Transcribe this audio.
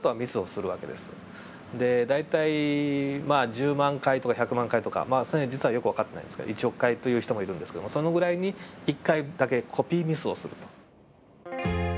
大体まあ１０万回とか１００万回とかその辺実はよく分かってないんですけど１億回という人もいるんですけどもそのぐらいに１回だけコピーミスをすると。